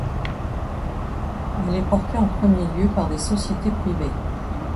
Elle est portée en premier lieu par des sociétés privées.